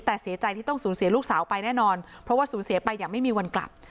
แต่เสียใจที่ต้องสูญเสียลูกสาวไปแน่นอนเพราะว่าสูญเสียไปอย่างไม่มีวันกลับ